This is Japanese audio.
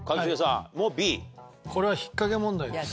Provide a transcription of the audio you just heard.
これは引っかけ問題です。